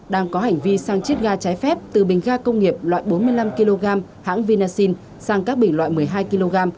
đang có hành vi sang chiết ga trái phép từ bình ga công nghiệp loại bốn mươi năm kg hãng vinasin sang các bình loại một mươi hai kg